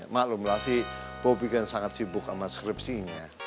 maklumlah sih bobby kan sangat sibuk sama skripsinya